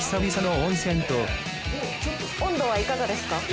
温度はいかがですか？